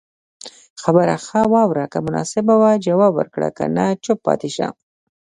خبره خه واوره که مناسبه وه جواب ورکړه که نه چوپ پاتي شته